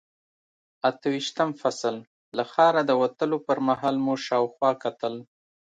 اته ویشتم فصل، له ښاره د وتلو پر مهال مو شاوخوا کتل.